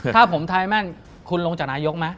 ถ้าผมทายแม่นคุณลงจากนายกไหม